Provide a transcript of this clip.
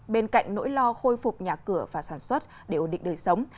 bên cạnh nỗi lo khôi phục nhà cửa và sản xuất để ổn định đời sống